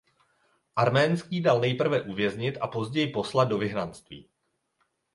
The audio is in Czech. Arménský dal nejprve uvěznit a později poslat do vyhnanství.